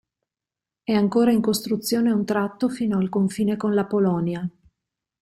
È ancora in costruzione un tratto fino al confine con la Polonia.